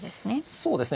そうですね。